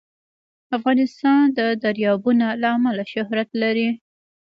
افغانستان د دریابونه له امله شهرت لري.